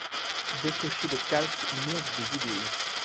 Décocher le calque « monde des idées ».